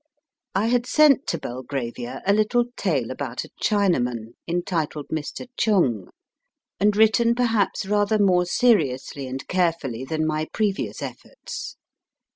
I had sent to Belgravia a little tale about a Chinaman, entitled Mr. Chung, and written perhaps rather more seriously and carefully than my previous efforts.